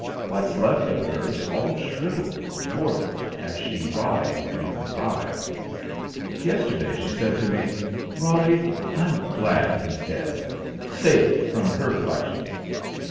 What's left of her's all shrivelled, warped, as she writhed in her fire. Yesterday she said to me, "Roly, I'm glad he's dead. Safe from her clutches."